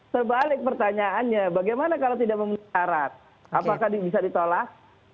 sebalik pertanyaannya bagaimana kalau tidak memenuhi syarat apakah bisa ditolak